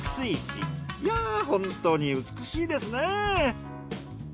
いやぁ本当に美しいですね。